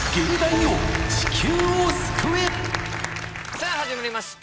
さあ始まりました。